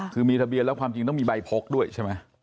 คือมีทะเบียนแล้วความจริงต้องมีใบพกด้วยใช่ไหม